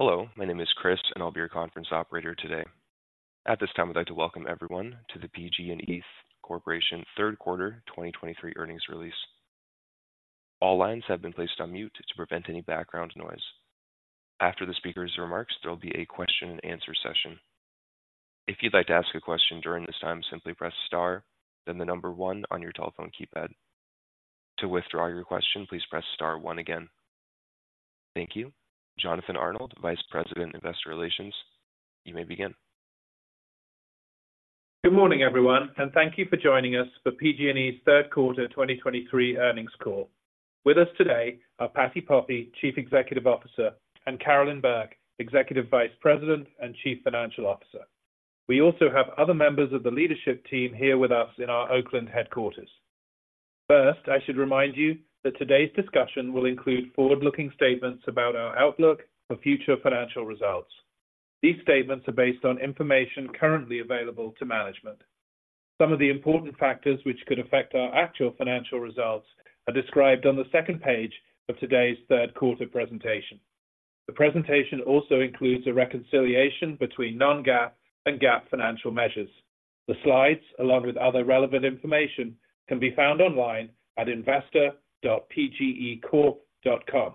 Hello, my name is Chris, and I'll be your conference operator today. At this time, I'd like to welcome everyone to the PG&E Corporation third quarter 2023 earnings release. All lines have been placed on mute to prevent any background noise. After the speaker's remarks, there will be a question and answer session. If you'd like to ask a question during this time, simply press Star, then the number 1 on your telephone keypad. To withdraw your question, please press Star 1 again. Thank you. Jonathan Arnold, Vice President, Investor Relations, you may begin. Good morning, everyone, and thank you for joining us for PG&E's third quarter 2023 earnings call. With us today are Patti Poppe, Chief Executive Officer, and Carolyn Burke, Executive Vice President and Chief Financial Officer. We also have other members of the leadership team here with us in our Oakland headquarters. First, I should remind you that today's discussion will include forward-looking statements about our outlook for future financial results. These statements are based on information currently available to management. Some of the important factors which could affect our actual financial results are described on the second page of today's third quarter presentation. The presentation also includes a reconciliation between non-GAAP and GAAP financial measures. The slides, along with other relevant information, can be found online at investor.pgecorp.com.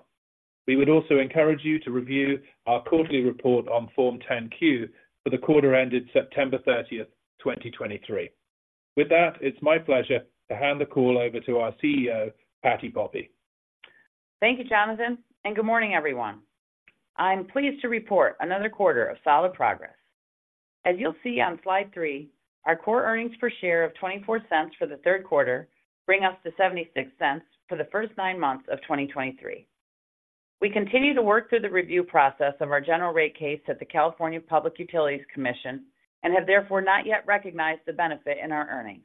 We would also encourage you to review our quarterly report on Form 10-Q for the quarter ended September 30, 2023. With that, it's my pleasure to hand the call over to our CEO, Patti Poppe. Thank you, Jonathan, and good morning, everyone. I'm pleased to report another quarter of solid progress. As you'll see on slide 3, our core earnings per share of $0.24 for the third quarter bring us to $0.76 for the first nine months of 2023. We continue to work through the review process of our General Rate Case at the California Public Utilities Commission and have therefore not yet recognized the benefit in our earnings.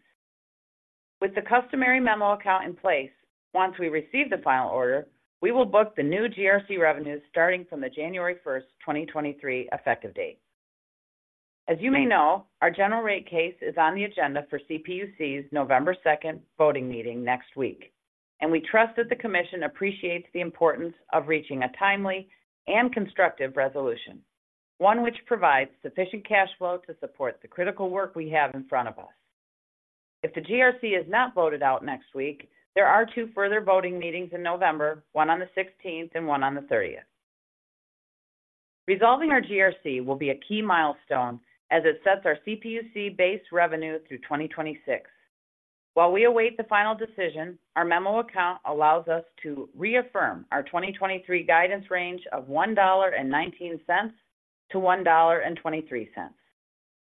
With the customary memo account in place, once we receive the final order, we will book the new GRC revenues starting from the January 1, 2023, effective date. As you may know, our general rate case is on the agenda for CPUC's November 2 voting meeting next week, and we trust that the commission appreciates the importance of reaching a timely and constructive resolution, one which provides sufficient cash flow to support the critical work we have in front of us. If the GRC is not voted out next week, there are two further voting meetings in November, one on the 16th and one on the 30th. Resolving our GRC will be a key milestone as it sets our CPUC-based revenue through 2026. While we await the final decision, our memo account allows us to reaffirm our 2023 guidance range of $1.19-$1.23.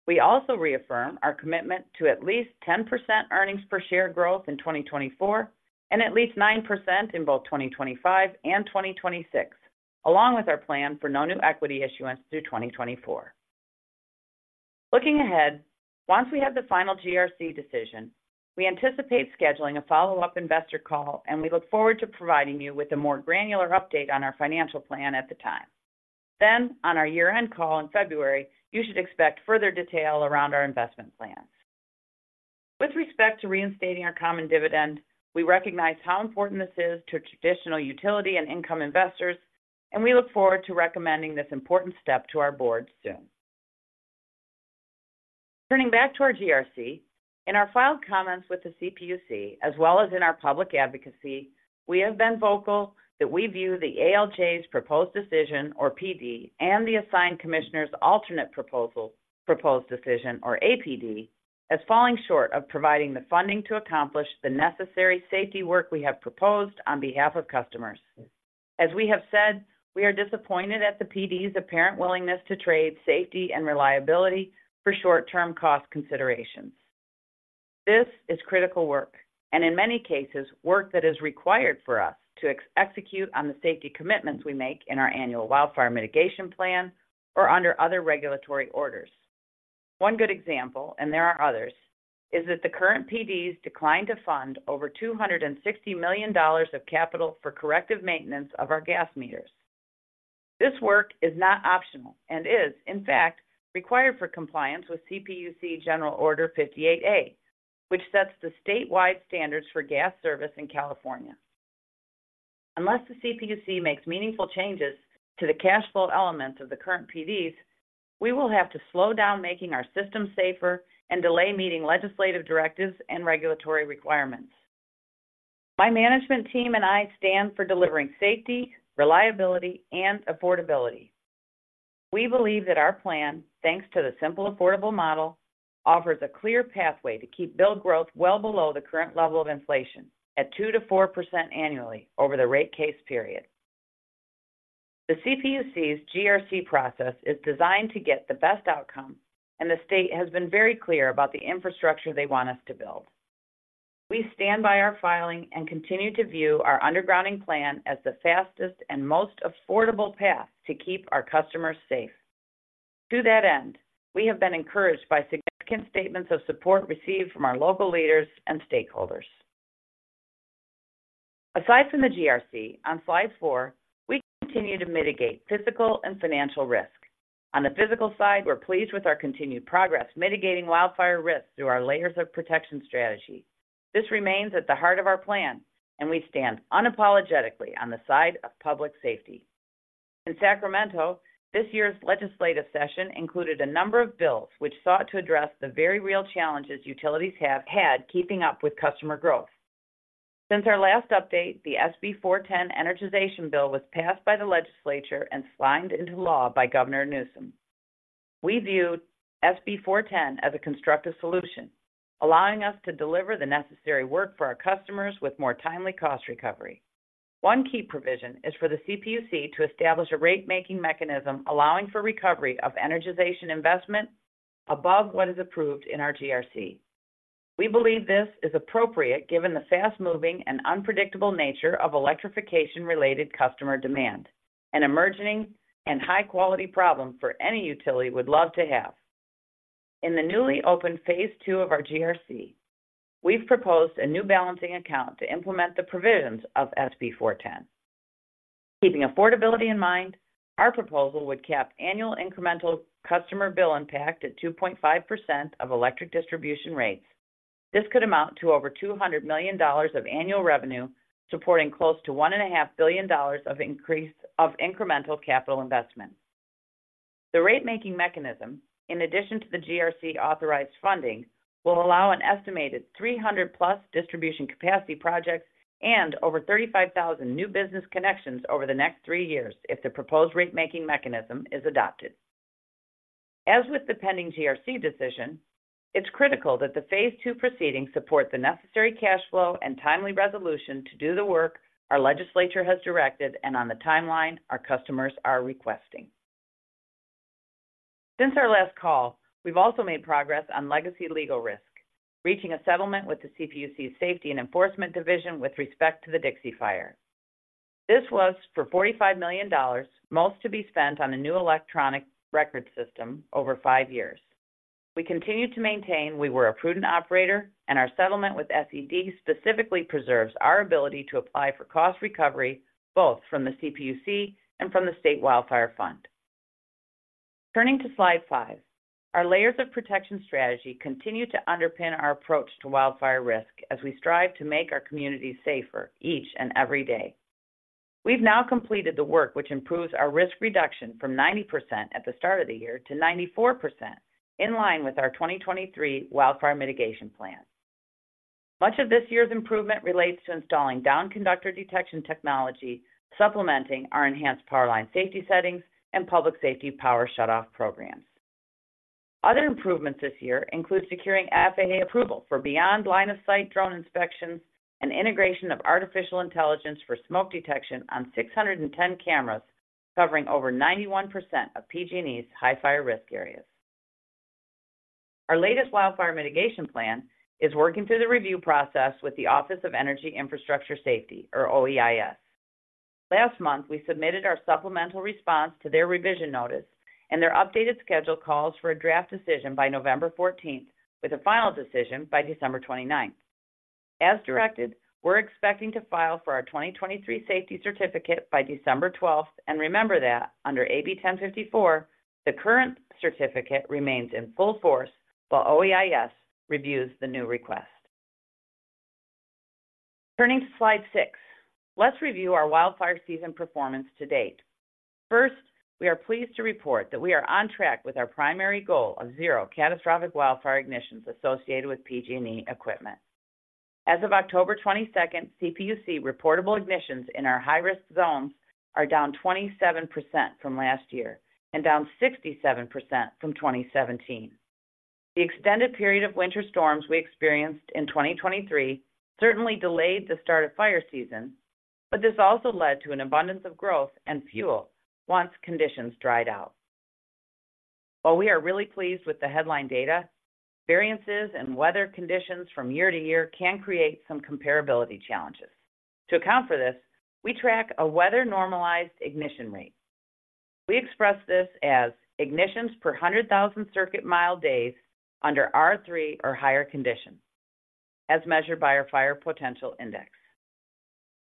We also reaffirm our commitment to at least 10% earnings per share growth in 2024 and at least 9% in both 2025 and 2026, along with our plan for no new equity issuance through 2024. Looking ahead, once we have the final GRC decision, we anticipate scheduling a follow-up investor call, and we look forward to providing you with a more granular update on our financial plan at the time. On our year-end call in February, you should expect further detail around our investment plan. With respect to reinstating our common dividend, we recognize how important this is to traditional utility and income investors, and we look forward to recommending this important step to our board soon. Turning back to our GRC, in our filed comments with the CPUC, as well as in our public advocacy, we have been vocal that we view the ALJ's Proposed Decision, or PD, and the assigned Commissioner's Alternate Proposal, Proposed Decision, or APD, as falling short of providing the funding to accomplish the necessary safety work we have proposed on behalf of customers. As we have said, we are disappointed at the PD's apparent willingness to trade safety and reliability for short-term cost considerations. This is critical work, and in many cases, work that is required for us to execute on the safety commitments we make in our annual wildfire mitigation plan or under other regulatory orders. One good example, and there are others, is that the current PDs declined to fund over $260 million of capital for corrective maintenance of our gas meters. This work is not optional and is, in fact, required for compliance with CPUC General Order 58-A, which sets the statewide standards for gas service in California. Unless the CPUC makes meaningful changes to the cash flow elements of the current PDs, we will have to slow down making our system safer and delay meeting legislative directives and regulatory requirements. My management team and I stand for delivering safety, reliability, and affordability. We believe that our plan, thanks to the Simple Affordable Model, offers a clear pathway to keep bill growth well below the current level of inflation at 2%-4% annually over the rate case period. The CPUC's GRC process is designed to get the best outcome, and the state has been very clear about the infrastructure they want us to build. We stand by our filing and continue to view our undergrounding plan as the fastest and most affordable path to keep our customers safe. To that end, we have been encouraged by significant statements of support received from our local leaders and stakeholders. Aside from the GRC, on slide four, we continue to mitigate physical and financial risk. On the physical side, we're pleased with our continued progress mitigating wildfire risk through our layers of protection strategy. This remains at the heart of our plan, and we stand unapologetically on the side of public safety. In Sacramento, this year's legislative session included a number of bills which sought to address the very real challenges utilities have had keeping up with customer growth. Since our last update, the SB 410 energization bill was passed by the legislature and signed into law by Governor Newsom. We viewed SB 410 as a constructive solution, allowing us to deliver the necessary work for our customers with more timely cost recovery. One key provision is for the CPUC to establish a rate-making mechanism allowing for recovery of energization investment above what is approved in our GRC. We believe this is appropriate given the fast-moving and unpredictable nature of electrification-related customer demand, an emerging and high-quality problem for any utility would love to have. In the newly opened Phase Two of our GRC, we've proposed a new balancing account to implement the provisions of SB 410. Keeping affordability in mind, our proposal would cap annual incremental customer bill impact at 2.5% of electric distribution rates. This could amount to over $200 million of annual revenue, supporting close to $1.5 billion of increase of incremental capital investment. The ratemaking mechanism, in addition to the GRC authorized funding, will allow an estimated 300+ distribution capacity projects and over 35,000 new business connections over the next 3 years if the proposed ratemaking mechanism is adopted. As with the pending GRC decision, it's critical that the Phase Two proceedings support the necessary cash flow and timely resolution to do the work our legislature has directed and on the timeline our customers are requesting. Since our last call, we've also made progress on legacy legal risk, reaching a settlement with the CPUC's Safety and Enforcement Division with respect to the Dixie Fire. This was for $45 million, most to be spent on a new electronic record system over 5 years. We continued to maintain we were a prudent operator, and our settlement with SED specifically preserves our ability to apply for cost recovery, both from the CPUC and from the State Wildfire Fund. Turning to slide 5, our layers of protection strategy continue to underpin our approach to wildfire risk as we strive to make our communities safer each and every day. We've now completed the work which improves our risk reduction from 90% at the start of the year to 94%, in line with our 2023 wildfire mitigation plan. Much of this year's improvement relates to installing down conductor detection technology, supplementing our enhanced power line safety settings and public safety power shutoff programs. Other improvements this year include securing FAA approval for beyond line of sight drone inspections and integration of artificial intelligence for smoke detection on 610 cameras, covering over 91% of PG&E's high fire risk areas. Our latest wildfire mitigation plan is working through the review process with the Office of Energy Infrastructure Safety, or OEIS. Last month, we submitted our supplemental response to their revision notice, and their updated schedule calls for a draft decision by November fourteenth, with a final decision by December twenty-ninth. As directed, we're expecting to file for our 2023 safety certificate by December twelfth, and remember that under AB 1054, the current certificate remains in full force while OEIS reviews the new request. Turning to slide 6, let's review our wildfire season performance to date. First, we are pleased to report that we are on track with our primary goal of zero catastrophic wildfire ignitions associated with PG&E equipment. As of October 22, CPUC reportable ignitions in our high-risk zones are down 27% from last year and down 67% from 2017. The extended period of winter storms we experienced in 2023 certainly delayed the start of fire season, but this also led to an abundance of growth and fuel once conditions dried out. While we are really pleased with the headline data, variances and weather conditions from year to year can create some comparability challenges. To account for this, we track a weather-normalized ignition rate. We express this as ignitions per 100,000 circuit mile days under R3 or higher conditions, as measured by our fire potential index.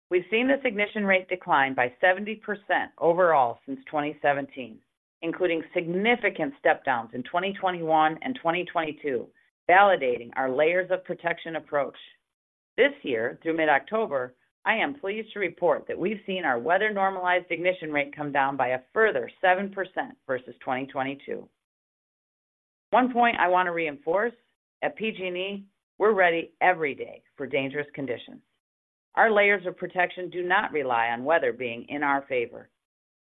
We've seen this ignition rate decline by 70% overall since 2017, including significant step downs in 2021 and 2022, validating our layers of protection approach. This year, through mid-October, I am pleased to report that we've seen our weather normalized ignition rate come down by a further 7% versus 2022. One point I want to reinforce: at PG&E, we're ready every day for dangerous conditions. Our layers of protection do not rely on weather being in our favor.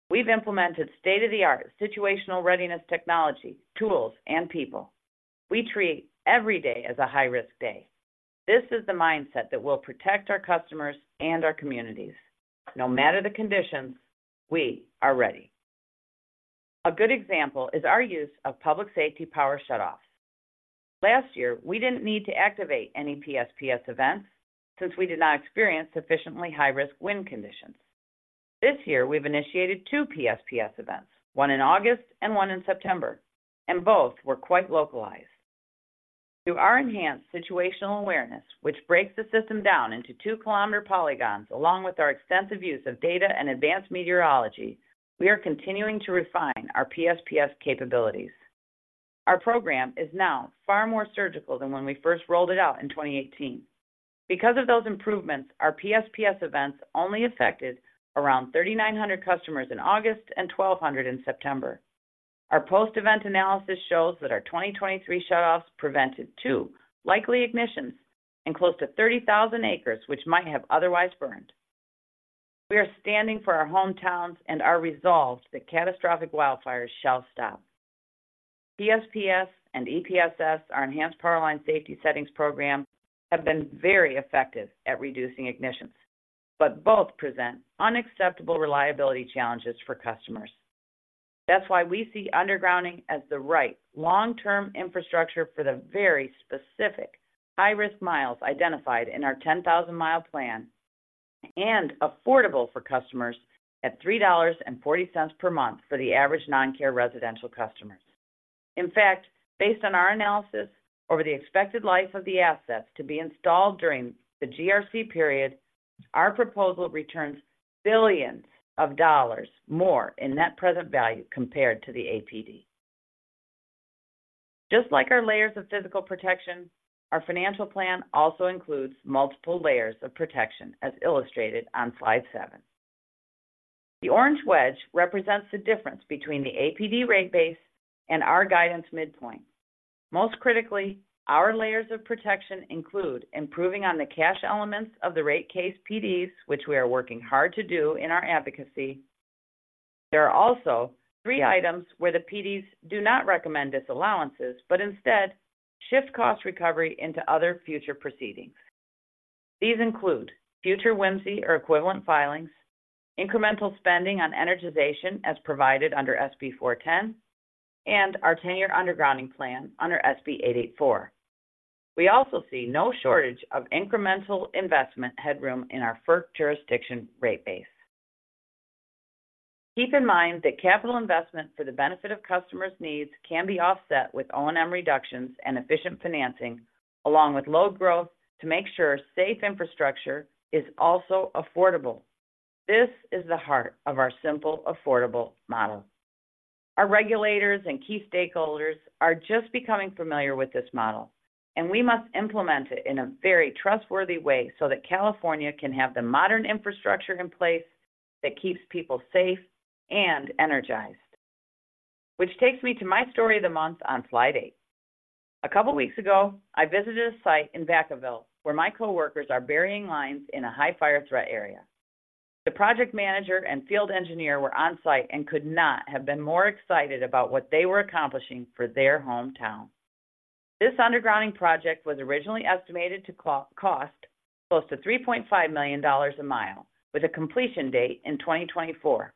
We've implemented state-of-the-art situational readiness technology, tools, and people. We treat every day as a high-risk day. This is the mindset that will protect our customers and our communities. No matter the conditions, we are ready. A good example is our use of public safety power shutoffs. Last year, we didn't need to activate any PSPS events since we did not experience sufficiently high-risk wind conditions. This year, we've initiated two PSPS events, one in August and one in September, and both were quite localized. Through our enhanced situational awareness, which breaks the system down into two-kilometer polygons, along with our extensive use of data and advanced meteorology, we are continuing to refine our PSPS capabilities. Our program is now far more surgical than when we first rolled it out in 2018. Because of those improvements, our PSPS events only affected around 3,900 customers in August and 1,200 in September. Our post-event analysis shows that our 2023 shutoffs prevented two likely ignitions and close to 30,000 acres, which might have otherwise burned. We are standing for our hometowns and are resolved that catastrophic wildfires shall stop. PSPS and EPSS, our enhanced power line safety settings program, have been very effective at reducing ignitions, but both present unacceptable reliability challenges for customers. That's why we see undergrounding as the right long-term infrastructure for the very specific high-risk miles identified in our 10,000-mile plan, and affordable for customers at $3.40 per month for the average non-CARE residential customer. In fact, based on our analysis over the expected life of the assets to be installed during the GRC period, our proposal returns $ billions more in net present value compared to the APD. Just like our layers of physical protection, our financial plan also includes multiple layers of protection, as illustrated on slide 7. The orange wedge represents the difference between the APD rate base and our guidance midpoint. Most critically, our layers of protection include improving on the cash elements of the rate case PDs, which we are working hard to do in our advocacy. There are also three items where the PDs do not recommend disallowances, but instead shift cost recovery into other future proceedings. These include future WMCE's or equivalent filings, incremental spending on energization as provided under SB 410, and our 10-year undergrounding plan under SB 884. We also see no shortage of incremental investment headroom in our FERC jurisdiction rate base. Keep in mind that capital investment for the benefit of customers' needs can be offset with O&M reductions and efficient financing, along with load growth to make sure safe infrastructure is also affordable. This is the heart of our simple, affordable model. Our regulators and key stakeholders are just becoming familiar with this model, and we must implement it in a very trustworthy way so that California can have the modern infrastructure in place that keeps people safe and energized. Which takes me to my story of the month on slide 8. A couple of weeks ago, I visited a site in Vacaville, where my coworkers are burying lines in a high fire threat area. The project manager and field engineer were on-site and could not have been more excited about what they were accomplishing for their hometown. This undergrounding project was originally estimated to cost close to $3.5 million a mile, with a completion date in 2024.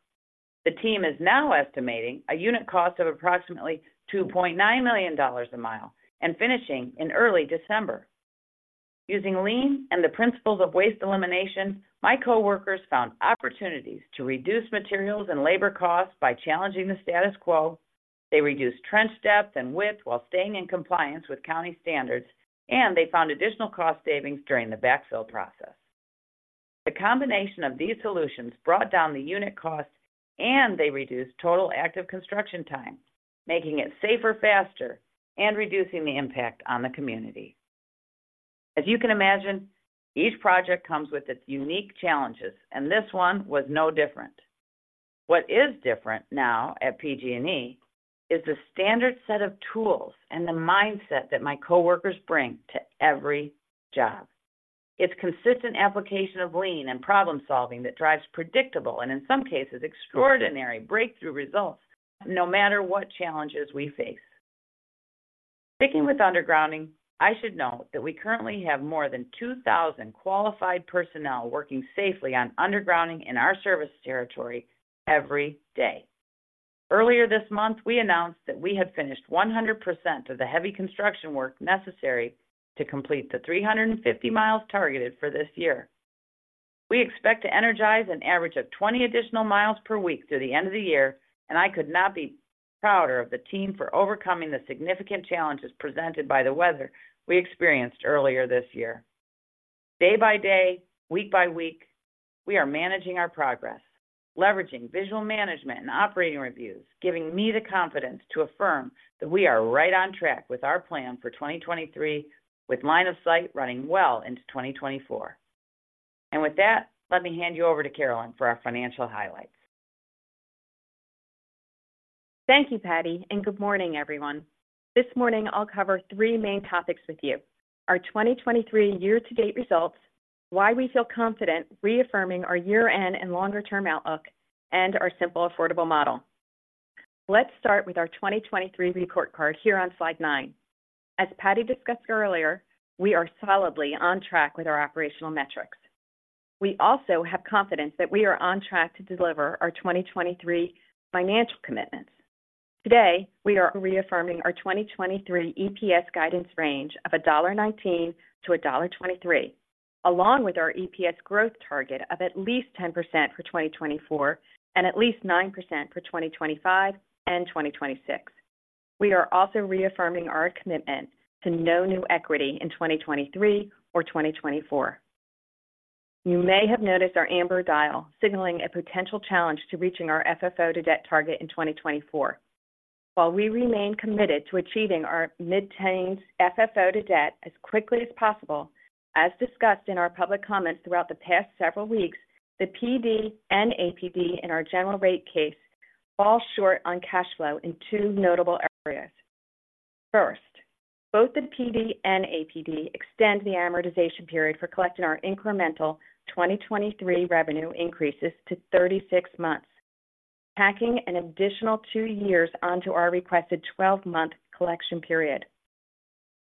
The team is now estimating a unit cost of approximately $2.9 million a mile and finishing in early December. Using lean and the principles of waste elimination, my coworkers found opportunities to reduce materials and labor costs by challenging the status quo. They reduced trench depth and width while staying in compliance with county standards, and they found additional cost savings during the backfill process. The combination of these solutions brought down the unit cost, and they reduced total active construction time, making it safer, faster, and reducing the impact on the community. As you can imagine, each project comes with its unique challenges, and this one was no different. What is different now at PG&E is the standard set of tools and the mindset that my coworkers bring to every job. It's consistent application of lean and problem-solving that drives predictable and, in some cases, extraordinary breakthrough results, no matter what challenges we face. Sticking with undergrounding, I should note that we currently have more than 2,000 qualified personnel working safely on undergrounding in our service territory every day. Earlier this month, we announced that we had finished 100% of the heavy construction work necessary to complete the 350 miles targeted for this year. We expect to energize an average of 20 additional miles per week through the end of the year, and I could not be prouder of the team for overcoming the significant challenges presented by the weather we experienced earlier this year. Day by day, week by week, we are managing our progress, leveraging visual management and operating reviews, giving me the confidence to affirm that we are right on track with our plan for 2023, with line of sight running well into 2024. And with that, let me hand you over to Carolyn for our financial highlights. Thank you, Patti, and good morning, everyone. This morning, I'll cover three main topics with you: our 2023 year-to-date results, why we feel confident reaffirming our year-end and longer-term outlook, and our simple, affordable model. Let's start with our 2023 report card here on slide 9. As Patti discussed earlier, we are solidly on track with our operational metrics. We also have confidence that we are on track to deliver our 2023 financial commitments. Today, we are reaffirming our 2023 EPS guidance range of $1.19-$1.23, along with our EPS growth target of at least 10% for 2024, and at least 9% for 2025 and 2026. We are also reaffirming our commitment to no new equity in 2023 or 2024. You may have noticed our amber dial signaling a potential challenge to reaching our FFO to debt target in 2024. While we remain committed to achieving our mid-teens FFO to debt as quickly as possible, as discussed in our public comments throughout the past several weeks, the PD and APD in our general rate case fall short on cash flow in two notable areas. First, both the PD and APD extend the amortization period for collecting our incremental 2023 revenue increases to 36 months, packing an additional two years onto our requested 12-month collection period.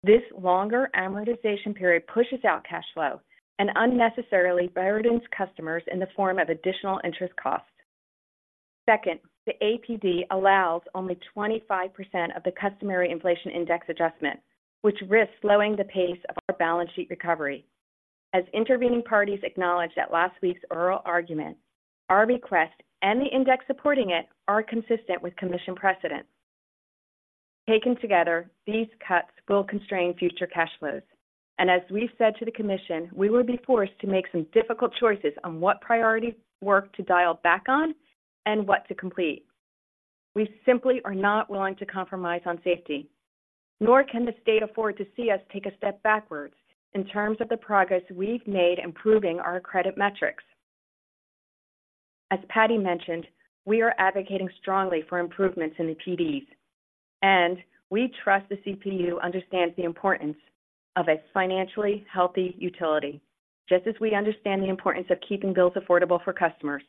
This longer amortization period pushes out cash flow and unnecessarily burdens customers in the form of additional interest costs. Second, the APD allows only 25% of the customary inflation index adjustment, which risks slowing the pace of our balance sheet recovery. As intervening parties acknowledged at last week's oral argument, our request and the index supporting it are consistent with Commission precedent. Taken together, these cuts will constrain future cash flows. And as we've said to the Commission, we will be forced to make some difficult choices on what priority work to dial back on and what to complete. We simply are not willing to compromise on safety, nor can the state afford to see us take a step backwards in terms of the progress we've made improving our credit metrics. As Patty mentioned, we are advocating strongly for improvements in the PDs, and we trust the CPUC understands the importance of a financially healthy utility, just as we understand the importance of keeping bills affordable for customers.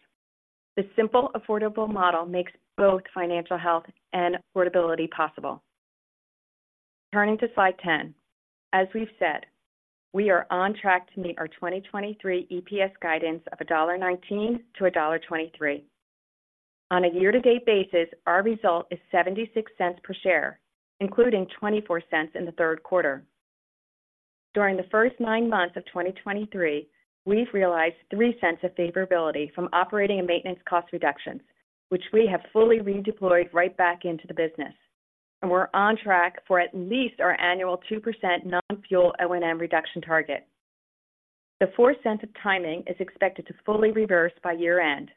The simple, affordable model makes both financial health and affordability possible. Turning to slide 10. As we've said, we are on track to meet our 2023 EPS guidance of $1.19-$1.23. On a year-to-date basis, our result is $0.76 per share, including $0.24 in the third quarter. During the first 9 months of 2023, we've realized $0.03 of favorability from operating and maintenance cost reductions, which we have fully redeployed right back into the business, and we're on track for at least our annual 2% non-fuel O&M reduction target. The $0.04 of timing is expected to fully reverse by year-end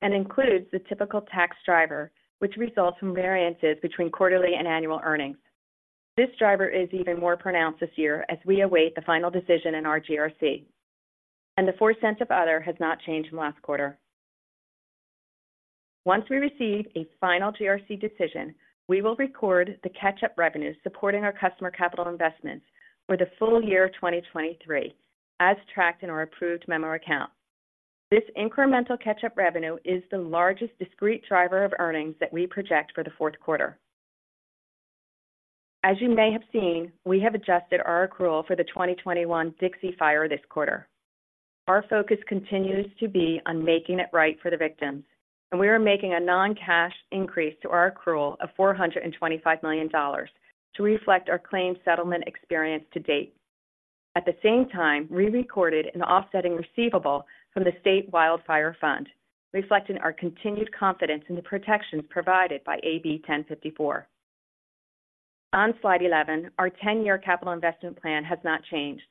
and includes the typical tax driver, which results from variances between quarterly and annual earnings. This driver is even more pronounced this year as we await the final decision in our GRC, and the $0.04 of other has not changed from last quarter. Once we receive a final GRC decision, we will record the catch-up revenue supporting our customer capital investments for the full year of 2023, as tracked in our approved memo account. This incremental catch-up revenue is the largest discrete driver of earnings that we project for the fourth quarter. As you may have seen, we have adjusted our accrual for the 2021 Dixie Fire this quarter. Our focus continues to be on making it right for the victims, and we are making a non-cash increase to our accrual of $425 million to reflect our claimed settlement experience to date. At the same time, we recorded an offsetting receivable from the State Wildfire Fund, reflecting our continued confidence in the protections provided by AB 1054. On slide 11, our 10-year capital investment plan has not changed.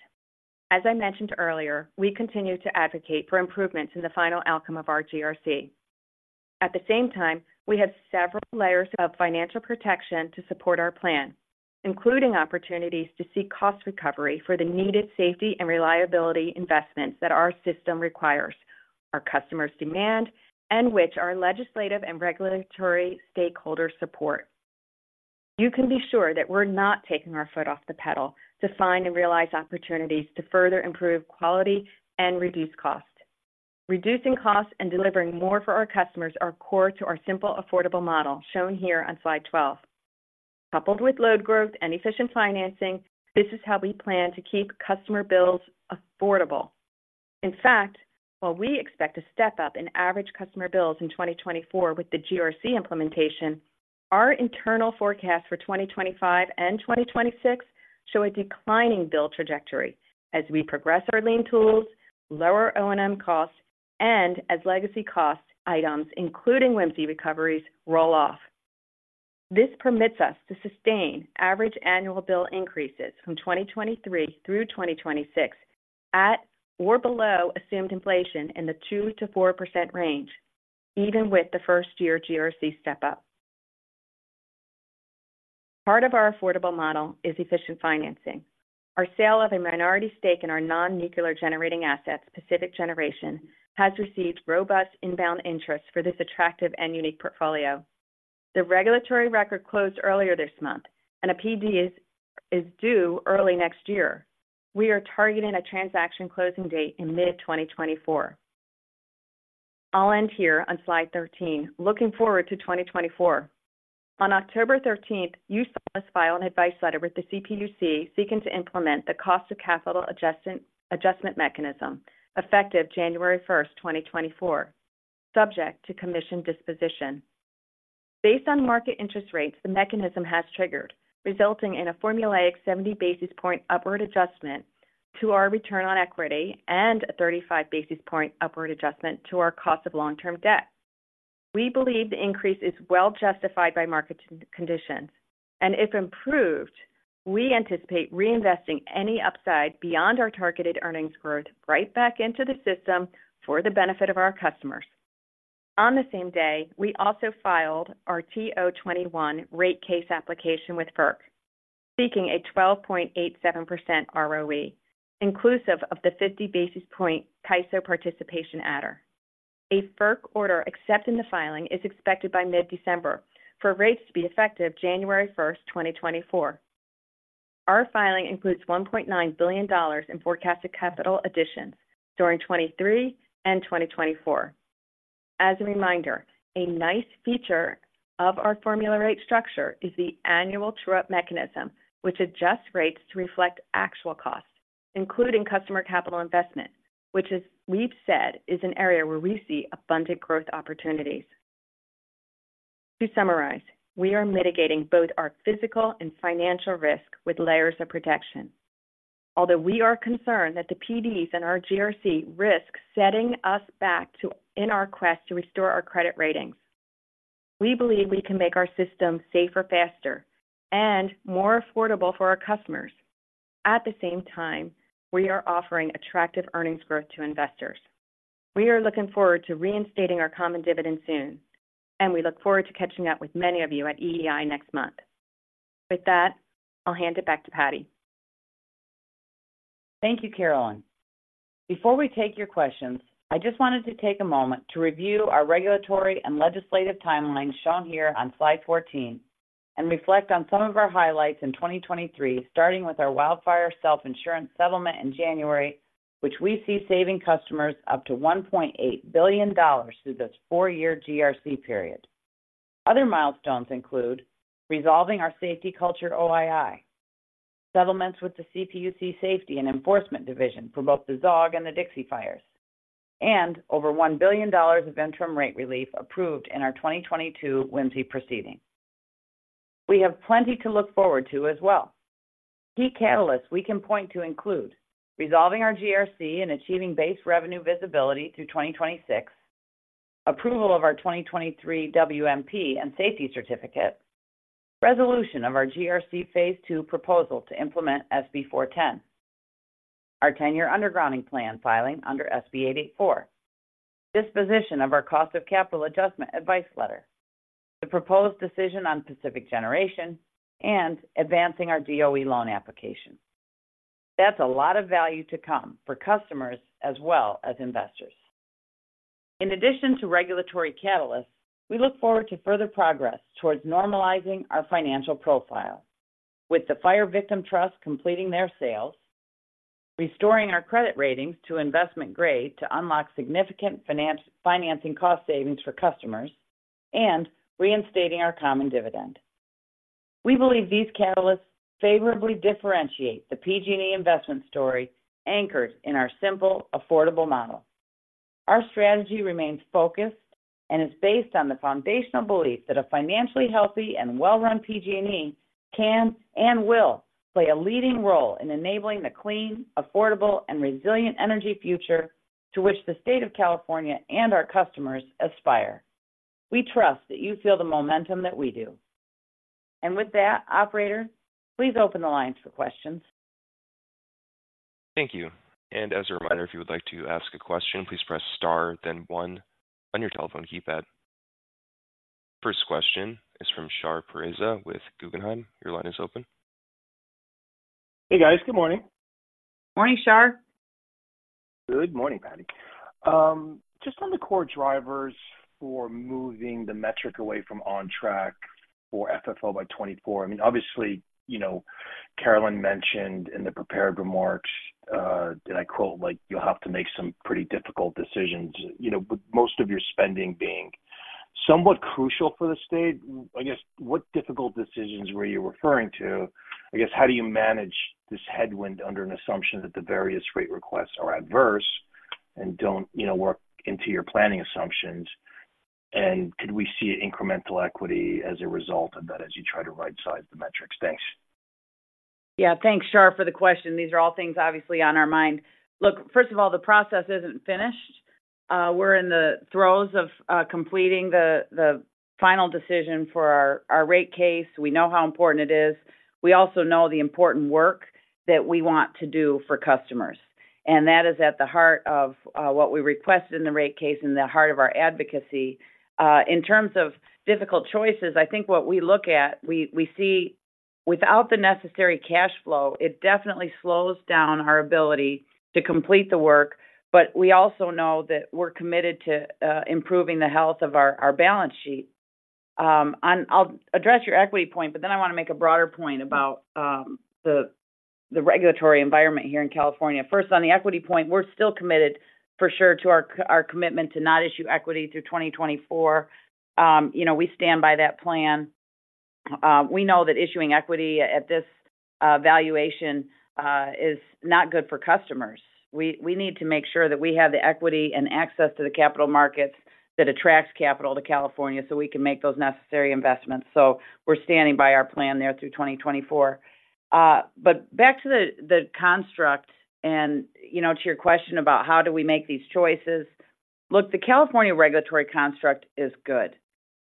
As I mentioned earlier, we continue to advocate for improvements in the final outcome of our GRC. At the same time, we have several layers of financial protection to support our plan, including opportunities to seek cost recovery for the needed safety and reliability investments that our system requires, our customers demand, and which our legislative and regulatory stakeholders support. You can be sure that we're not taking our foot off the pedal to find and realize opportunities to further improve quality and reduce cost. Reducing costs and delivering more for our customers are core to our simple, affordable model shown here on slide 12. Coupled with load growth and efficient financing, this is how we plan to keep customer bills affordable. In fact, while we expect a step up in average customer bills in 2024 with the GRC implementation, our internal forecast for 2025 and 2026 show a declining bill trajectory as we progress our lean tools, lower O&M costs, and as legacy cost items, including WIMSE recoveries, roll off. This permits us to sustain average annual bill increases from 2023 through 2026, at or below assumed inflation in the 2%-4% range, even with the first-year GRC step up. Part of our affordable model is efficient financing. Our sale of a minority stake in our non-nuclear generating asset, Pacific Generation, has received robust inbound interest for this attractive and unique portfolio. The regulatory record closed earlier this month, and a PD is due early next year. We are targeting a transaction closing date in mid-2024. I'll end here on slide 13. Looking forward to 2024. On October 13, utilities filed an advice letter with the CPUC seeking to implement the cost of capital adjustment mechanism effective January 1, 2024, subject to Commission disposition. Based on market interest rates, the mechanism has triggered, resulting in a formulaic 70 basis point upward adjustment to our return on equity and a 35 basis point upward adjustment to our cost of long-term debt. We believe the increase is well justified by market conditions, and if improved, we anticipate reinvesting any upside beyond our targeted earnings growth right back into the system for the benefit of our customers. On the same day, we also filed our TO21 rate case application with FERC, seeking a 12.87% ROE, inclusive of the 50 basis point CAISO participation adder. A FERC order accepting the filing is expected by mid-December for rates to be effective January 1, 2024. Our filing includes $1.9 billion in forecasted capital additions during 2023 and 2024. As a reminder, a nice feature of our formula rate structure is the annual true-up mechanism, which adjusts rates to reflect actual costs, including customer capital investment, which is, we've said, is an area where we see abundant growth opportunities. To summarize, we are mitigating both our physical and financial risk with layers of protection. Although we are concerned that the PDs and our GRC risk setting us back to, in our quest to restore our credit ratings, we believe we can make our system safer, faster, and more affordable for our customers. At the same time, we are offering attractive earnings growth to investors. We are looking forward to reinstating our common dividend soon, and we look forward to catching up with many of you at EEI next month. With that, I'll hand it back to Patti. Thank you, Carolyn. Before we take your questions, I just wanted to take a moment to review our regulatory and legislative timeline shown here on slide 14, and reflect on some of our highlights in 2023, starting with our wildfire self-insurance settlement in January, which we see saving customers up to $1.8 billion through this four-year GRC period. Other milestones include resolving our safety culture OII, settlements with the CPUC Safety and Enforcement Division for both the Zogg Fire and the Dixie Fire, and over $1 billion of interim rate relief approved in our 2022 WIMSE proceeding. We have plenty to look forward to as well. Key catalysts we can point to include resolving our GRC and achieving base revenue visibility through 2026, approval of our 2023 WMP and safety certificate, resolution of our GRC Phase Two proposal to implement SB 410, our 10-year undergrounding plan filing under SB 884, disposition of our cost of capital adjustment advice letter, the proposed decision on Pacific Generation, and advancing our DOE loan application. That's a lot of value to come for customers as well as investors. In addition to regulatory catalysts, we look forward to further progress towards normalizing our financial profile. With the Fire Victim Trust completing their sales, restoring our credit ratings to investment grade to unlock significant financing cost savings for customers, and reinstating our common dividend. We believe these catalysts favorably differentiate the PG&E investment story anchored in our simple, affordable model. Our strategy remains focused and is based on the foundational belief that a financially healthy and well-run PG&E can and will play a leading role in enabling the clean, affordable, and resilient energy future to which the state of California and our customers aspire. We trust that you feel the momentum that we do. And with that, operator, please open the lines for questions. Thank you. And as a reminder, if you would like to ask a question, please press star then one on your telephone keypad. First question is from Shar Pourreza with Guggenheim. Your line is open. Hey, guys. Good morning. Morning, Shar. Good morning, Patti. Just on the core drivers for moving the metric away from on track or FFO by 2024. I mean, obviously, you know, Carolyn mentioned in the prepared remarks, and I quote, "Like, you'll have to make some pretty difficult decisions," you know, with most of your spending being somewhat crucial for the state. I guess, what difficult decisions were you referring to? I guess, how do you manage this headwind under an assumption that the various rate requests are adverse and don't, you know, work into your planning assumptions? And could we see incremental equity as a result of that as you try to right side the metrics? Thanks. Yeah. Thanks, Shar, for the question. These are all things obviously on our mind. Look, first of all, the process isn't finished. We're in the throes of completing the final decision for our rate case. We know how important it is. We also know the important work that we want to do for customers, and that is at the heart of what we requested in the rate case and the heart of our advocacy. In terms of difficult choices, I think what we look at, we see without the necessary cash flow, it definitely slows down our ability to complete the work, but we also know that we're committed to improving the health of our balance sheet. I'll address your equity point, but then I want to make a broader point about the regulatory environment here in California. First, on the equity point, we're still committed for sure to our commitment to not issue equity through 2024. We stand by that plan. We know that issuing equity at this valuation is not good for customers. We need to make sure that we have the equity and access to the capital markets that attracts capital to California so we can make those necessary investments. We're standing by our plan there through 2024. Back to the construct and to your question about how do we make these choices? Look, the California regulatory construct is good.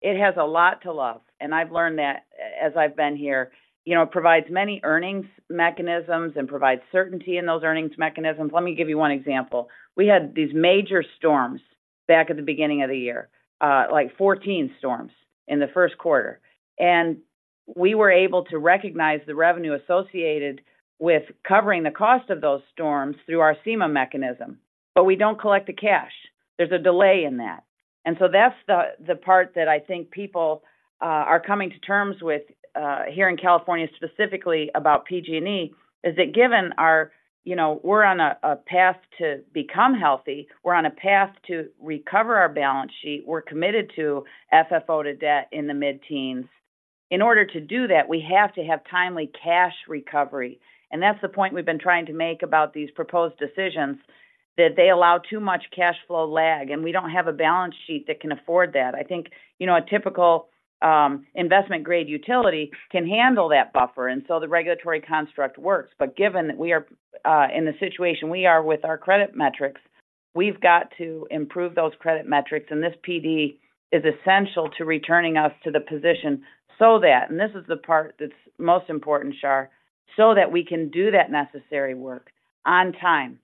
It has a lot to love, and I've learned that as I've been here. You know, it provides many earnings mechanisms and provides certainty in those earnings mechanisms. Let me give you one example: We had these major storms back at the beginning of the year, like 14 storms in the first quarter. And we were able to recognize the revenue associated with covering the cost of those storms through our CEMA mechanism, but we don't collect the cash. There's a delay in that. And so that's the part that I think people are coming to terms with here in California, specifically about PG&E, is that given our - you know, we're on a path to become healthy, we're on a path to recover our balance sheet, we're committed to FFO to debt in the mid-teens. In order to do that, we have to have timely cash recovery, and that's the point we've been trying to make about these proposed decisions, that they allow too much cash flow lag, and we don't have a balance sheet that can afford that. I think, you know, a typical investment-grade utility can handle that buffer, and so the regulatory construct works. But given that we are in the situation we are with our credit metrics, we've got to improve those credit metrics, and this PD is essential to returning us to the position so that, and this is the part that's most important, Shar, so that we can do that necessary work on time.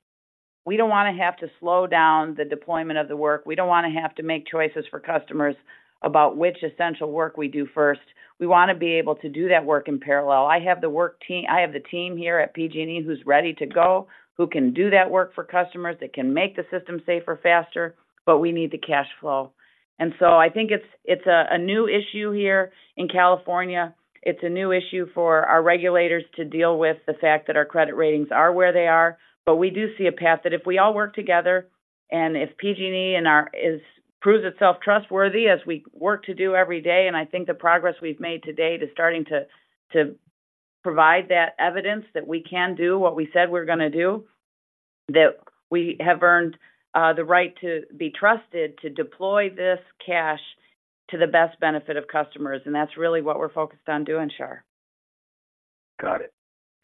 We don't want to have to slow down the deployment of the work. We don't want to have to make choices for customers about which essential work we do first. We want to be able to do that work in parallel. I have the team here at PG&E who's ready to go, who can do that work for customers, that can make the system safer, faster, but we need the cash flow. And so I think it's, it's a, a new issue here in California. It's a new issue for our regulators to deal with the fact that our credit ratings are where they are. But we do see a path that if we all work together and if PG&E proves itself trustworthy as we work to do every day, and I think the progress we've made to date is starting to provide that evidence that we can do what we said we're going to do, that we have earned the right to be trusted to deploy this cash to the best benefit of customers, and that's really what we're focused on doing, Shar. Got it.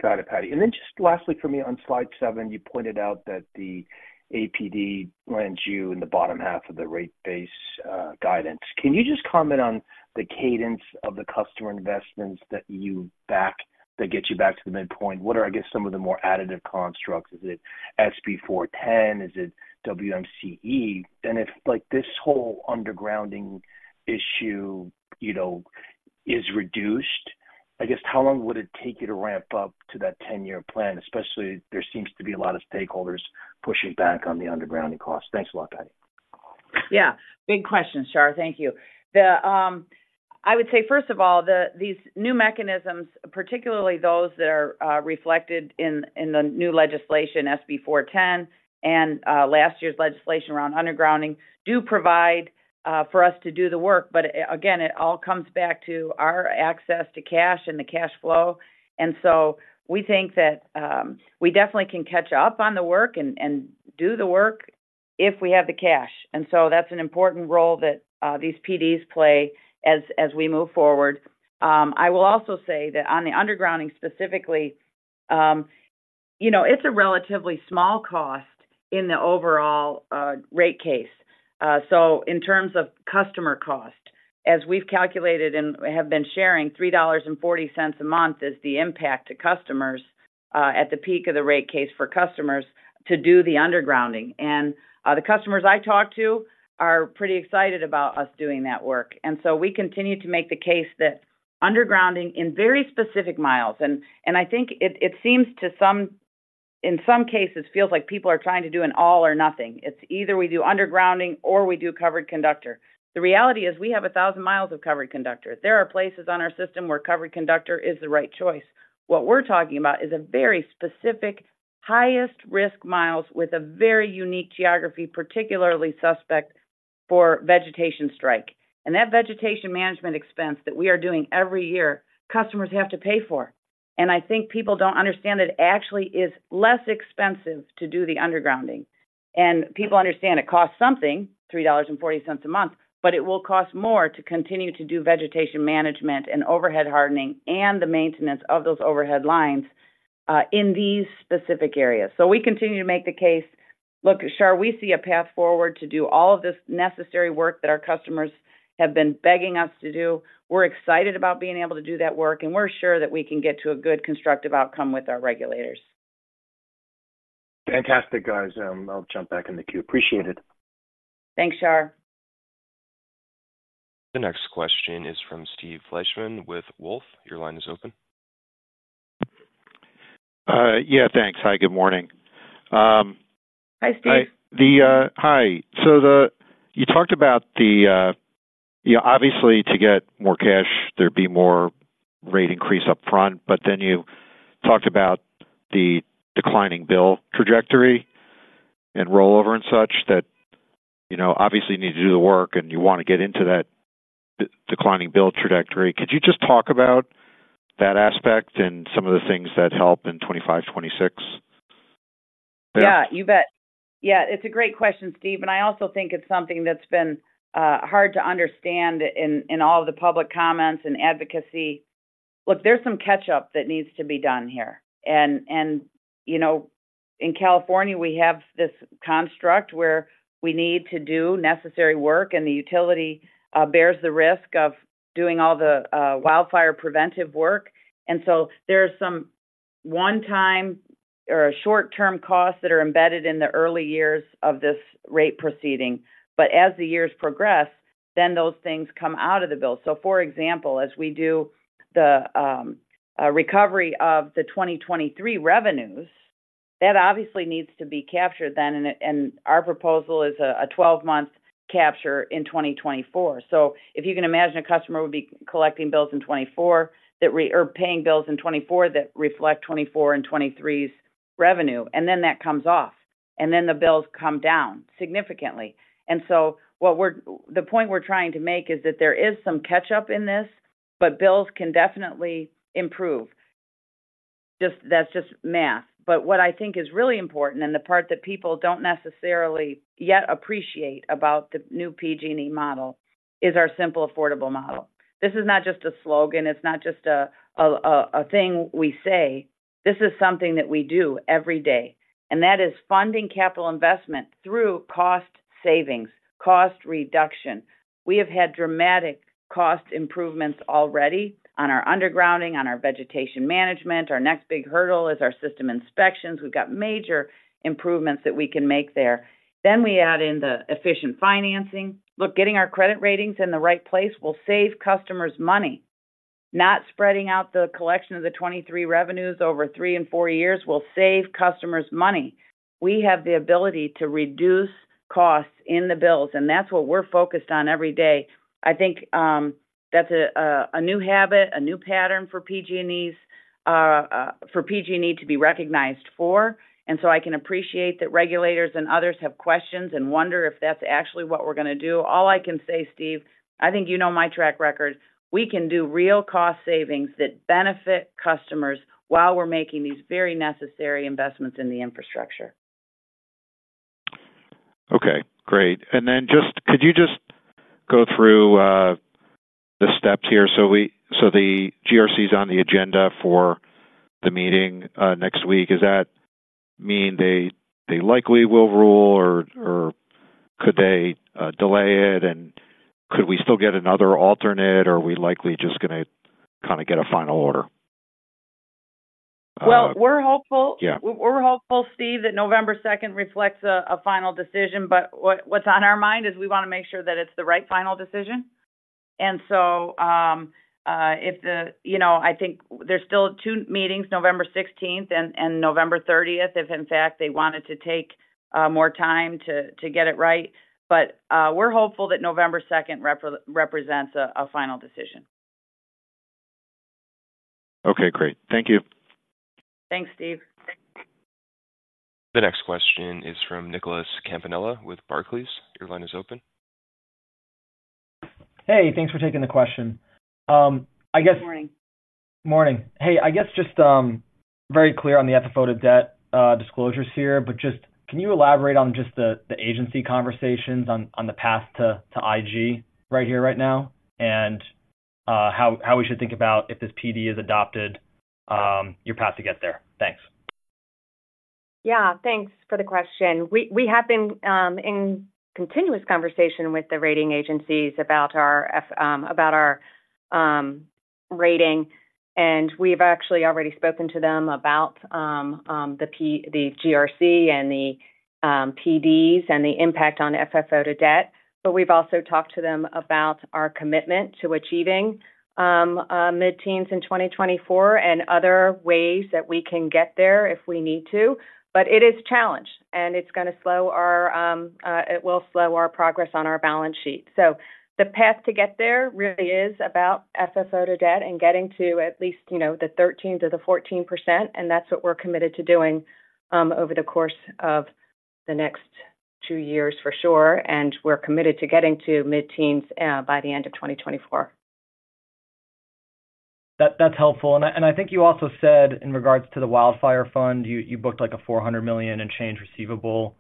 Got it, Patti. And then just lastly for me, on slide 7, you pointed out that the APD lands you in the bottom half of the rate base guidance. Can you just comment on the cadence of the customer investments that you back, that gets you back to the midpoint? What are, I guess, some of the more additive constructs? Is it SB 410? Is it WMCE? And if, like, this whole undergrounding issue, you know, is reduced, I guess, how long would it take you to ramp up to that 10-year plan, especially there seems to be a lot of stakeholders pushing back on the undergrounding cost? Thanks a lot, Patti. Yeah, big question, Shar. Thank you. I would say, first of all, these new mechanisms, particularly those that are reflected in the new legislation, SB 410, and last year's legislation around undergrounding, do provide for us to do the work. But again, it all comes back to our access to cash and the cash flow. And so we think that we definitely can catch up on the work and do the work if we have the cash. And so that's an important role that these PDs play as we move forward. I will also say that on the undergrounding specifically, you know, it's a relatively small cost in the overall rate case. So in terms of customer cost, as we've calculated and have been sharing, $3.40 a month is the impact to customers, at the peak of the rate case for customers to do the undergrounding. And the customers I talk to are pretty excited about us doing that work. And so we continue to make the case that undergrounding in very specific miles. And I think it seems to some, in some cases, feels like people are trying to do an all or nothing. It's either we do undergrounding or we do covered conductor. The reality is we have 1,000 miles of covered conductor. There are places on our system where covered conductor is the right choice. What we're talking about is a very specific, highest-risk miles with a very unique geography, particularly suspect for vegetation strike. That vegetation management expense that we are doing every year, customers have to pay for. I think people don't understand that it actually is less expensive to do the undergrounding. People understand it costs something, $3.40 a month, but it will cost more to continue to do vegetation management and overhead hardening and the maintenance of those overhead lines in these specific areas. So we continue to make the case. Look, Shar, we see a path forward to do all of this necessary work that our customers have been begging us to do. We're excited about being able to do that work, and we're sure that we can get to a good constructive outcome with our regulators. Fantastic, guys. I'll jump back in the queue. Appreciate it. Thanks, Shar. The next question is from Steve Fleishman with Wolfe. Your line is open. Yeah, thanks. Hi, good morning. Hi, Steve. Hi. So you talked about the, you know, obviously, to get more cash, there'd be more rate increase upfront, but then you talked about the declining bill trajectory and rollover and such, that you know, obviously you need to do the work, and you want to get into that declining bill trajectory. Could you just talk about that aspect and some of the things that help in 2025, 2026? Yeah, you bet. Yeah, it's a great question, Steve, and I also think it's something that's been hard to understand in all of the public comments and advocacy. Look, there's some catch-up that needs to be done here. And you know, in California, we have this construct where we need to do necessary work, and the utility bears the risk of doing all the wildfire preventive work. And so there are some one-time or short-term costs that are embedded in the early years of this rate proceeding. But as the years progress, then those things come out of the bill. So for example, as we do the recovery of the 2023 revenues, that obviously needs to be captured then, and our proposal is a 12-month capture in 2024. If you can imagine, a customer would be collecting bills in 2024, that re-- or paying bills in 2024 that reflect 2024 and 2023's revenue, and then that comes off, and then the bills come down significantly. What we're-- the point we're trying to make is that there is some catch-up in this, but bills can definitely improve. That's just math. What I think is really important, and the part that people don't necessarily yet appreciate about the new PG&E model, is our simple, affordable model. This is not just a slogan, it's not just a, a, a, a thing we say. This is something that we do every day, and that is funding capital investment through cost savings, cost reduction. We have had dramatic cost improvements already on our undergrounding, on our vegetation management. Our next big hurdle is our system inspections. We've got major improvements that we can make there. We add in the efficient financing. Look, getting our credit ratings in the right place will save customers money. Not spreading out the collection of the $23 million revenues over three and four years will save customers money. We have the ability to reduce costs in the bills, and that's what we're focused on every day. I think that's a new habit, a new pattern for PG&E to be recognized for. I can appreciate that regulators and others have questions and wonder if that's actually what we're going to do. All I can say, Steve, I think you know my track record. We can do real cost savings that benefit customers while we're making these very necessary investments in the infrastructure. Okay, great. And then just could you just go through the steps here? So the GRC is on the agenda for the meeting next week. Does that mean they likely will rule, or could they delay it, and could we still get another alternate, or are we likely just gonna kind of get a final order? Well, we're hopeful. Yeah. We're hopeful, Steve, that November 2 reflects a final decision, but what's on our mind is we want to make sure that it's the right final decision. You know, I think there's still two meetings, November 16 and November 30, if in fact, they wanted to take more time to get it right. We're hopeful that November 2 represents a final decision. Okay, great. Thank you. Thanks, Steve. The next question is from Nicholas Campanella with Barclays. Your line is open. Hey, thanks for taking the question. I guess- Good morning. Morning. Hey, I guess just very clear on the FFO to Debt disclosures here, but just can you elaborate on just the agency conversations on the path to IG right here, right now, and how we should think about if this PD is adopted, your path to get there? Thanks. Yeah, thanks for the question. We have been in continuous conversation with the rating agencies about our rating, and we've actually already spoken to them about the GRC and the PDs and the impact on FFO to debt. But we've also talked to them about our commitment to achieving mid-teens in 2024 and other ways that we can get there if we need to. But it is a challenge, and it's going to slow our progress on our balance sheet. So the path to get there really is about FFO to debt and getting to at least, you know, the 13%-14%, and that's what we're committed to doing over the course of the next two years for sure. We're committed to getting to mid-teens by the end of 2024. That, that's helpful. And I think you also said in regards to the Wildfire Fund, you booked, like, a $400 million and change receivable.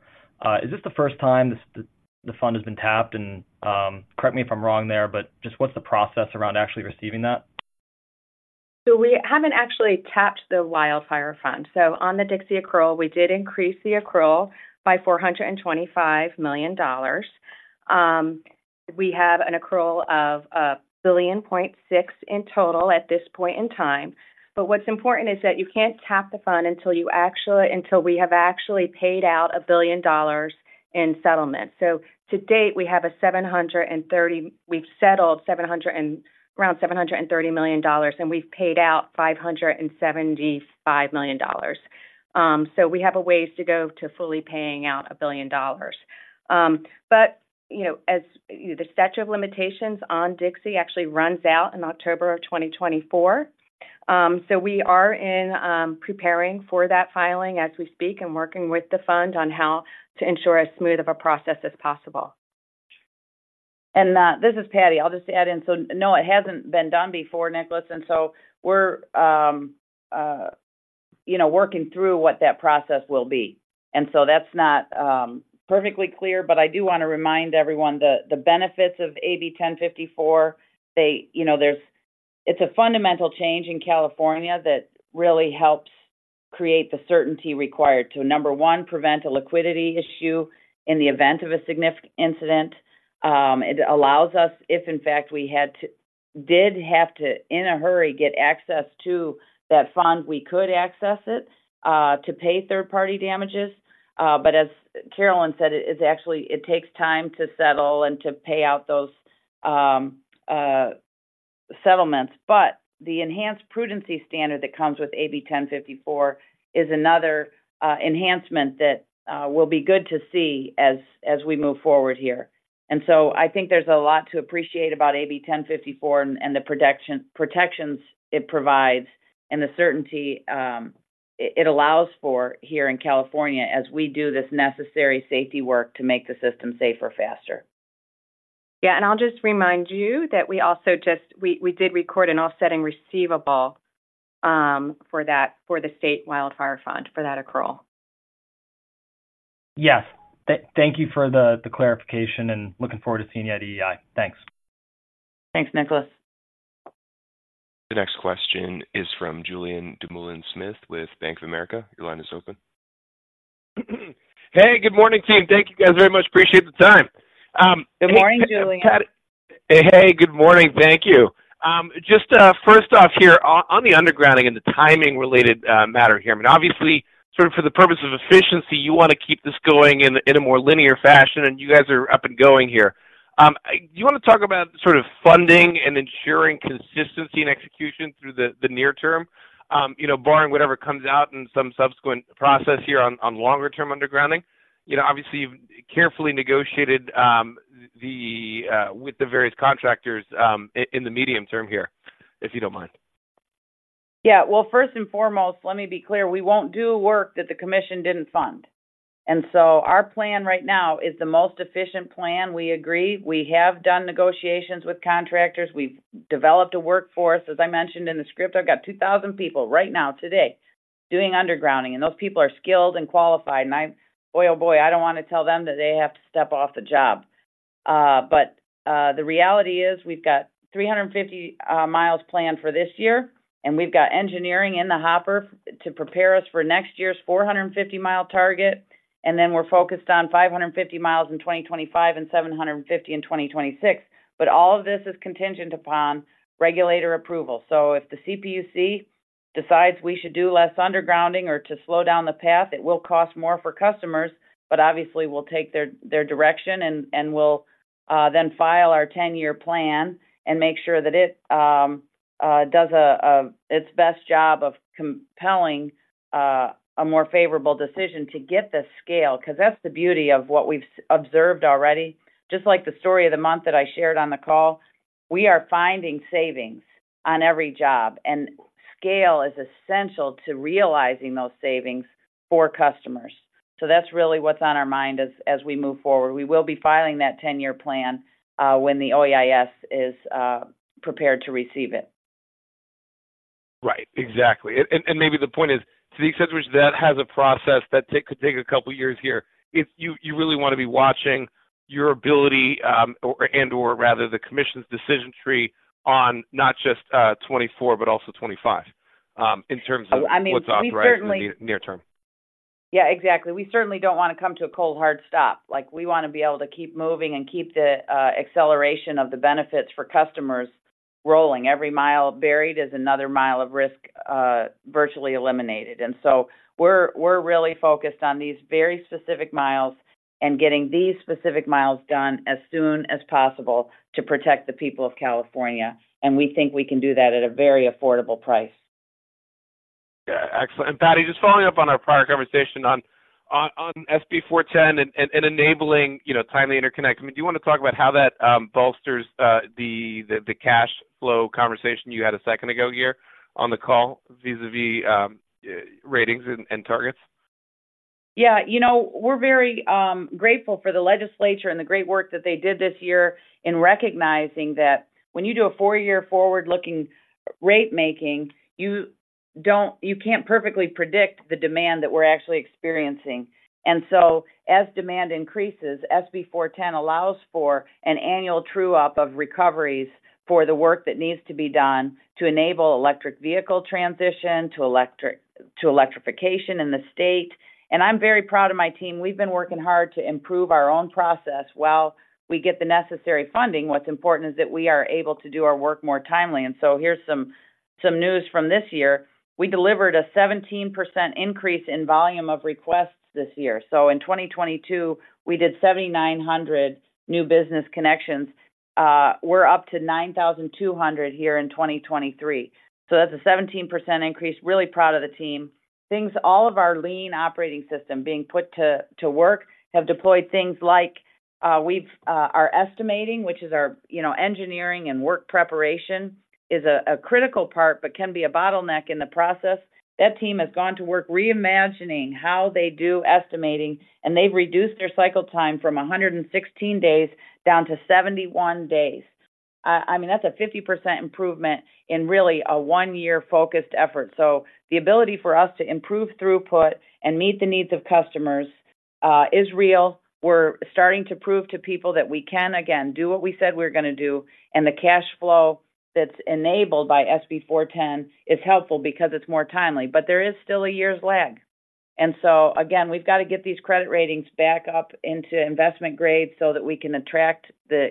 Is this the first time the fund has been tapped? And correct me if I'm wrong there, but just what's the process around actually receiving that? So we haven't actually tapped the wildfire fund. So on the Dixie accrual, we did increase the accrual by $425 million. We have an accrual of $1.6 billion in total at this point in time. But what's important is that you can't tap the fund until we have actually paid out $1 billion in settlement. So to date, we've settled around $730 million, and we've paid out $575 million. So we have a ways to go to fully paying out $1 billion. But, you know, the statute of limitations on Dixie actually runs out in October 2024.... so we are in preparing for that filing as we speak, and working with the fund on how to ensure as smooth of a process as possible. This is Patti. I'll just add in. So no, it hasn't been done before, Nicholas, and so we're, you know, working through what that process will be. So that's not perfectly clear, but I do want to remind everyone the benefits of AB 1054. They, you know, there's, it's a fundamental change in California that really helps create the certainty required to, number one, prevent a liquidity issue in the event of a significant incident. It allows us, if in fact we had to, did have to, in a hurry, get access to that fund, we could access it to pay third-party damages. But as Carolyn said, it is actually, it takes time to settle and to pay out those settlements. But the enhanced prudency standard that comes with AB 1054 is another enhancement that will be good to see as we move forward here. And so I think there's a lot to appreciate about AB 1054 and the protections it provides and the certainty it allows for here in California as we do this necessary safety work to make the system safer, faster. Yeah, and I'll just remind you that we also just, we did record an offsetting receivable for that, for the State Wildfire Fund for that accrual. Yes. Thank you for the clarification, and looking forward to seeing you at EEI. Thanks. Thanks, Nicholas. The next question is from Julien Dumoulin-Smith with Bank of America. Your line is open. Hey, good morning, team. Thank you, guys, very much. Appreciate the time. Good morning, Julien. Hey. Good morning. Thank you. Just first off here, on the undergrounding and the timing-related matter here, I mean, obviously, sort of for the purpose of efficiency, you want to keep this going in a more linear fashion, and you guys are up and going here. Do you want to talk about sort of funding and ensuring consistency and execution through the near term, you know, barring whatever comes out in some subsequent process here on longer term undergrounding? You know, obviously, you've carefully negotiated the with the various contractors in the medium term here, if you don't mind. Yeah. Well, first and foremost, let me be clear, we won't do work that the commission didn't fund. And so our plan right now is the most efficient plan. We agree. We have done negotiations with contractors. We've developed a workforce. As I mentioned in the script, I've got 2,000 people right now today doing undergrounding, and those people are skilled and qualified. And I-- boy, oh, boy, I don't want to tell them that they have to step off the job. But the reality is, we've got 350 miles planned for this year, and we've got engineering in the hopper to prepare us for next year's 450-mile target, and then we're focused on 550 miles in 2025 and 750 in 2026. But all of this is contingent upon regulator approval. So if the CPUC decides we should do less undergrounding or to slow down the path, it will cost more for customers, but obviously, we'll take their direction, and we'll then file our ten-year plan and make sure that it does its best job of compelling a more favorable decision to get the scale, because that's the beauty of what we've observed already. Just like the story of the month that I shared on the call, we are finding savings on every job, and scale is essential to realizing those savings for customers. So that's really what's on our mind as we move forward. We will be filing that ten-year plan when the OEIS is prepared to receive it. Right. Exactly. Maybe the point is, to the extent which that has a process that could take a couple of years here, if you really want to be watching your ability, or rather, the commission's decision tree on not just 24, but also 25, in terms of- I mean, we certainly- What's authorized in the near term. Yeah, exactly. We certainly don't want to come to a cold, hard stop. Like, we want to be able to keep moving and keep the acceleration of the benefits for customers rolling. Every mile buried is another mile of risk virtually eliminated. And so we're really focused on these very specific miles and getting these specific miles done as soon as possible to protect the people of California, and we think we can do that at a very affordable price. Yeah. Excellent. Patti, just following up on our prior conversation on SB 410 and enabling, you know, timely interconnect. I mean, do you want to talk about how that bolsters the cash flow conversation you had a second ago here on the call vis-à-vis ratings and targets? Yeah. You know, we're very grateful for the legislature and the great work that they did this year in recognizing that when you do a four-year forward-looking rate making, you can't perfectly predict the demand that we're actually experiencing. And so as demand increases, SB 410 allows for an annual true-up of recoveries for the work that needs to be done to enable electric vehicle transition to electrification in the state. And I'm very proud of my team. We've been working hard to improve our own process while we get the necessary funding. What's important is that we are able to do our work more timely. And so here's some news from this year. We delivered a 17% increase in volume of requests this year. So in 2022, we did 7,900 new business connections. We're up to 9,200 here in 2023. So that's a 17% increase. Really proud of the team. Things—all of our Lean Operating System being put to, to work have deployed things like, we've, are estimating, which is our, you know, engineering and work preparation is a, a critical part, but can be a bottleneck in the process. That team has gone to work reimagining how they do estimating, and they've reduced their cycle time from 116 days down to 71 days.... I mean, that's a 50% improvement in really a 1-year focused effort. So the ability for us to improve throughput and meet the needs of customers is real. We're starting to prove to people that we can again do what we said we're gonna do, and the cash flow that's enabled by SB 410 is helpful because it's more timely, but there is still a year's lag. And so again, we've got to get these credit ratings back up into investment grade so that we can attract the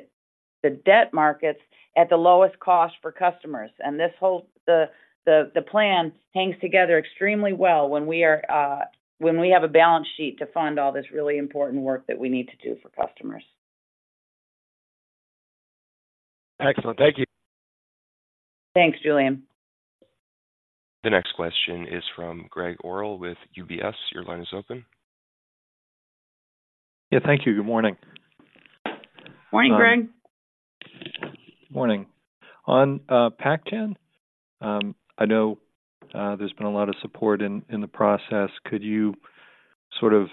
debt markets at the lowest cost for customers. And this whole, the, the plan hangs together extremely well when we are, when we have a balance sheet to fund all this really important work that we need to do for customers. Excellent. Thank you. Thanks, Julien. The next question is from Greg Orrill with UBS. Your line is open. Yeah, thank you. Good morning. Morning, Greg. Morning. On Pac-Gen, I know there's been a lot of support in the process. Could you sort of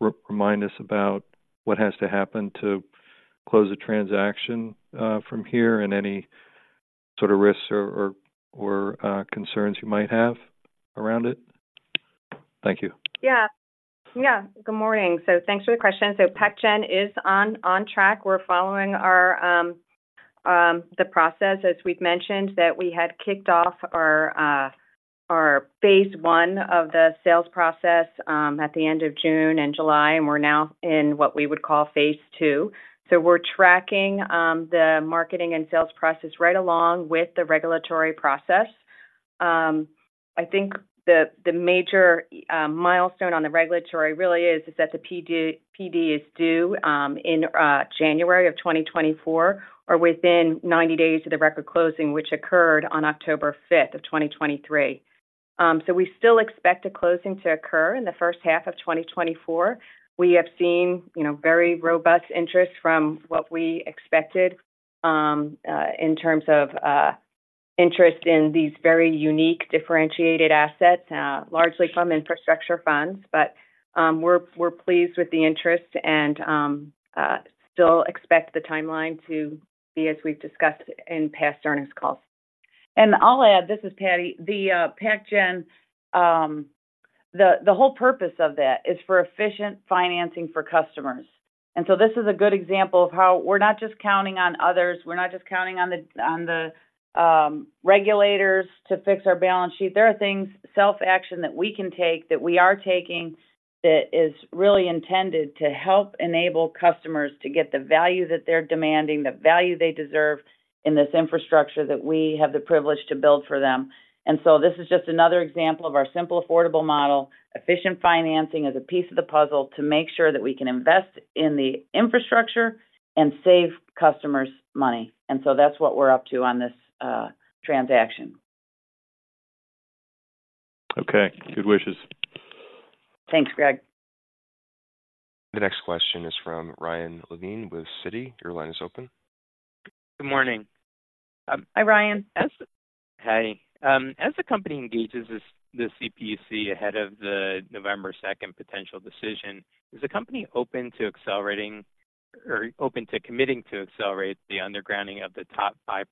re-remind us about what has to happen to close the transaction from here, and any sort of risks or concerns you might have around it? Thank you. Yeah. Yeah, good morning. So thanks for the question. So Pac-Gen is on track. We're following our process, as we've mentioned, that we had kicked off our phase one of the sales process at the end of June and July, and we're now in what we would call phase two. So we're tracking the marketing and sales process right along with the regulatory process. I think the major milestone on the regulatory really is that the PD is due in January of 2024, or within 90 days of the record closing, which occurred on October 5 of 2023. So we still expect a closing to occur in the first half of 2024. We have seen, you know, very robust interest from what we expected, in terms of, interest in these very unique, differentiated assets, largely from infrastructure funds. But, we're, we're pleased with the interest and, still expect the timeline to be, as we've discussed in past earnings calls. And I'll add, this is Patti, the Pac-Gen, the whole purpose of that is for efficient financing for customers. And so this is a good example of how we're not just counting on others, we're not just counting on the regulators to fix our balance sheet. There are things, self-action that we can take, that we are taking, that is really intended to help enable customers to get the value that they're demanding, the value they deserve in this infrastructure that we have the privilege to build for them. And so this is just another example of our Simple Affordable Model. Efficient financing is a piece of the puzzle to make sure that we can invest in the infrastructure and save customers money. And so that's what we're up to on this transaction. Okay. Good wishes. Thanks, Greg. The next question is from Ryan Levine with Citi. Your line is open. Good morning. Hi, Ryan. Hi. As the company engages the CPUC ahead of the November second potential decision, is the company open to accelerating or open to committing to accelerate the undergrounding of the top 5%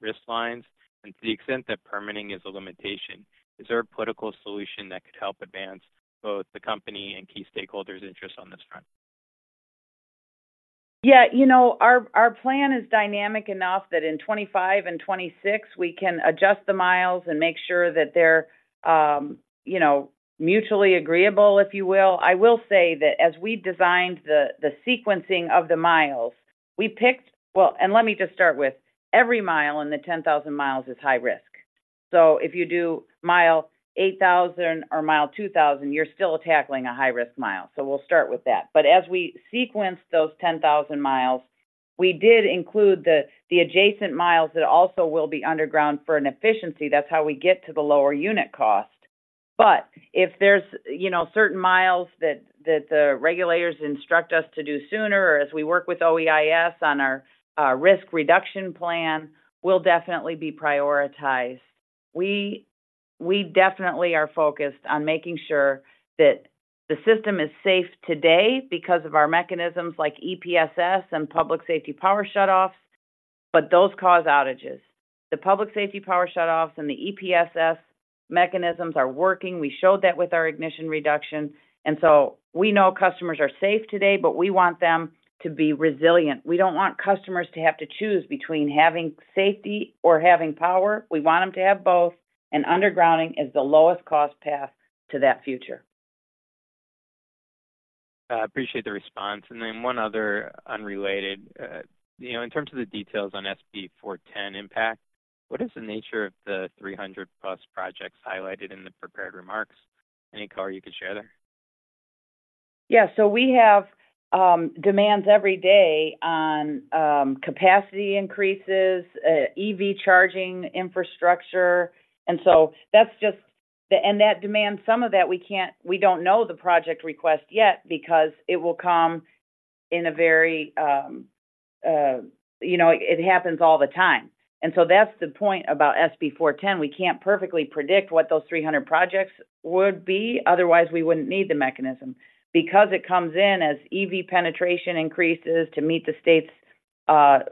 risk lines? And to the extent that permitting is a limitation, is there a political solution that could help advance both the company and key stakeholders' interests on this front? Yeah, you know, our plan is dynamic enough that in 2025 and 2026, we can adjust the miles and make sure that they're, you know, mutually agreeable, if you will. I will say that as we designed the sequencing of the miles, we picked... Well, let me just start with, every mile in the 10,000 miles is high risk. If you do mile 8,000 or mile 2,000, you're still tackling a high-risk mile. We'll start with that. As we sequenced those 10,000 miles, we did include the adjacent miles that also will be underground for efficiency. That's how we get to the lower unit cost. If there's certain miles that the regulators instruct us to do sooner, or as we work with OEIS on our risk reduction plan, we'll definitely be prioritized. We definitely are focused on making sure that the system is safe today because of our mechanisms like EPSS and public safety power shutoffs, but those cause outages. The public safety power shutoffs and the EPSS mechanisms are working. We showed that with our ignition reduction, and so we know customers are safe today, but we want them to be resilient. We don't want customers to have to choose between having safety or having power. We want them to have both, and undergrounding is the lowest cost path to that future. I appreciate the response. And then one other unrelated, you know, in terms of the details on SB 410 impact, what is the nature of the 300+ projects highlighted in the prepared remarks? Any color you could share there? Yeah, so we have demands every day on capacity increases, EV charging infrastructure, and so that's just and that demand, some of that, we can't we don't know the project request yet because it will come in a very, you know, it happens all the time. And so that's the point about SB 410. We can't perfectly predict what those 300 projects would be, otherwise, we wouldn't need the mechanism. Because it comes in as EV penetration increases to meet the state's or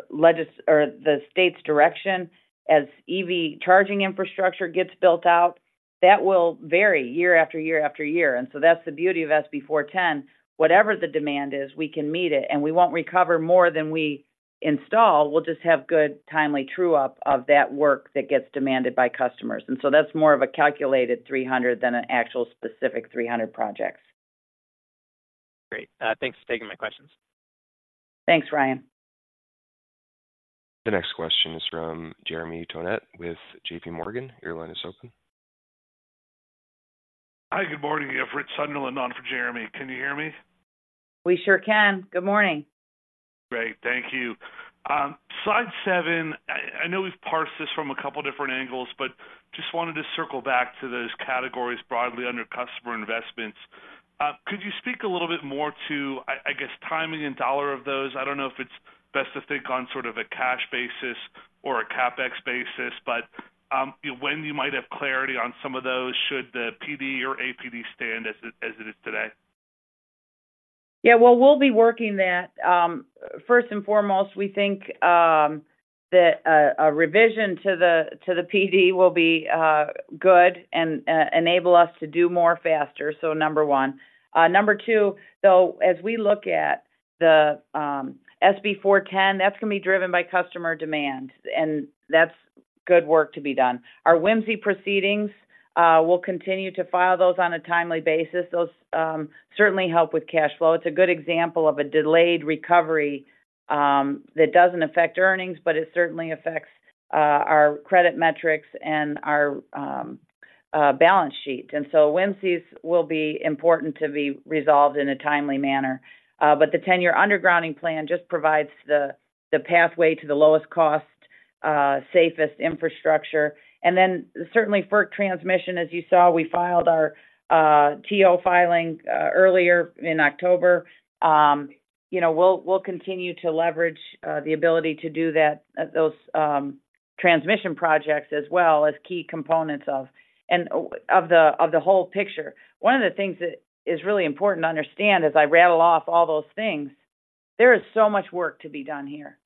the state's direction, as EV charging infrastructure gets built out, that will vary year after year after year. And so that's the beauty of SB 410. Whatever the demand is, we can meet it, and we won't recover more than we install. We'll just have good, timely true up of that work that gets demanded by customers. And so that's more of a calculated 300 than an actual specific 300 projects. Great. Thanks for taking my questions. Thanks, Ryan. The next question is from Jeremy Tonet with JP Morgan. Your line is open. Hi, good morning. You have Rich Sunderland on for Jeremy. Can you hear me? We sure can. Good morning. Great. Thank you. Slide 7, I know we've parsed this from a couple different angles, but just wanted to circle back to those categories broadly under customer investments. Could you speak a little bit more to, I guess, timing and dollar of those? I don't know if it's best to think on sort of a cash basis or a CapEx basis, but when you might have clarity on some of those, should the PD or APD stand as it is today? Yeah, well, we'll be working that. First and foremost, we think that a revision to the PD will be good and enable us to do more faster, so number one. Number two, so as we look at the SB 410, that's going to be driven by customer demand, and that's good work to be done. Our WMCE proceedings, we'll continue to file those on a timely basis. Those certainly help with cash flow. It's a good example of a delayed recovery that doesn't affect earnings, but it certainly affects our credit metrics and our balance sheet. And so WMCE's will be important to be resolved in a timely manner. But the ten-year undergrounding plan just provides the pathway to the lowest cost, safest infrastructure. And then certainly FERC transmission, as you saw, we filed our TO filing earlier in October. You know, we'll continue to leverage the ability to do that, those transmission projects as well as key components of... and of the whole picture. One of the things that is really important to understand as I rattle off all those things, there is so much work to be done here,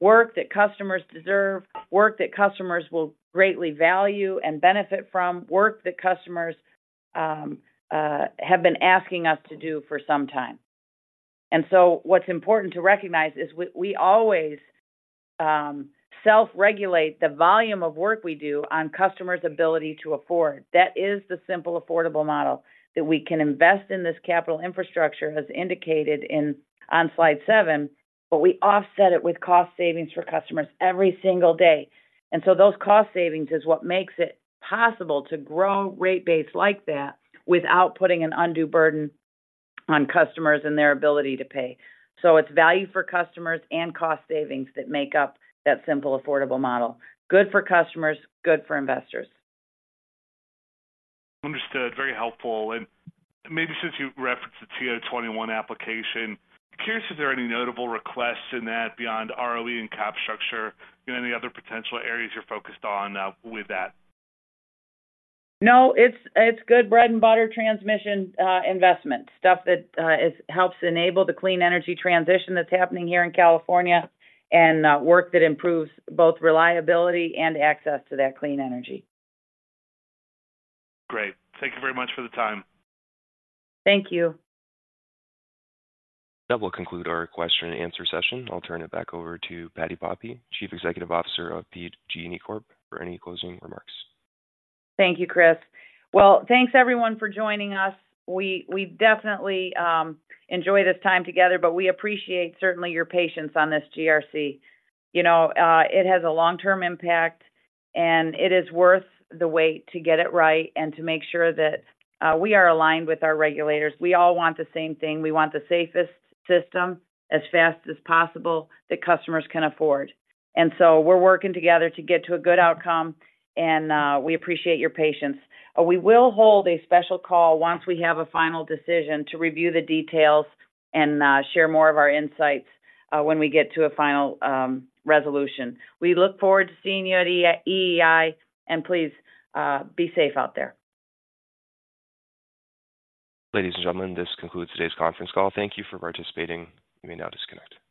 work that customers deserve, work that customers will greatly value and benefit from, work that customers have been asking us to do for some time. And so what's important to recognize is we always self-regulate the volume of work we do on customers' ability to afford. That is the simple, affordable model, that we can invest in this capital infrastructure, as indicated on slide 7, but we offset it with cost savings for customers every single day. And so those cost savings is what makes it possible to grow rate base like that without putting an undue burden on customers and their ability to pay. So it's value for customers and cost savings that make up that simple, affordable model. Good for customers, good for investors. Understood. Very helpful. And maybe since you referenced the TO 21 application, curious, is there any notable requests in that beyond ROE and cap structure? Any other potential areas you're focused on with that? No, it's, it's good bread-and-butter transmission investment stuff that it helps enable the clean energy transition that's happening here in California and work that improves both reliability and access to that clean energy. Great. Thank you very much for the time. Thank you. That will conclude our question and answer session. I'll turn it back over to Patti Poppe, Chief Executive Officer of PG&E Corp, for any closing remarks. Thank you, Chris. Well, thanks, everyone, for joining us. We definitely enjoy this time together, but we appreciate certainly your patience on this GRC. You know, it has a long-term impact, and it is worth the wait to get it right and to make sure that we are aligned with our regulators. We all want the same thing. We want the safest system as fast as possible that customers can afford. And so we're working together to get to a good outcome, and we appreciate your patience. We will hold a special call once we have a final decision to review the details and share more of our insights when we get to a final resolution. We look forward to seeing you at EEI, and please be safe out there. Ladies and gentlemen, this concludes today's conference call. Thank you for participating. You may now disconnect.